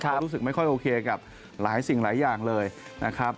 ก็รู้สึกไม่ค่อยโอเคกับหลายสิ่งหลายอย่างเลยนะครับ